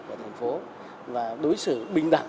của thành phố và đối xử bình đẳng